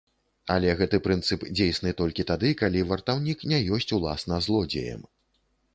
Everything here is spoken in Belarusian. Але гэты прынцып дзейсны толькі тады, калі вартаўнік не ёсць уласна злодзеем.